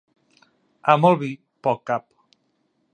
A molt vi, poc cap.